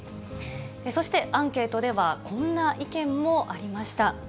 そして、アンケートではこんな意見もありました。